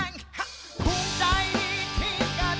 จงดตะโกนร้องไปให้สุดแรง